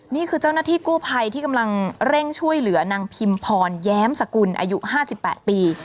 นี่คือเจ้าหน้าที่กู้ภัยที่กำลังเร่งช่วยเหลือนางพิมพรแย้มสกุลอายุ๕๘ปี